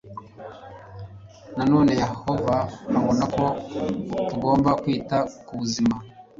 nanone yehova abona ko tugomba kwita ku buzima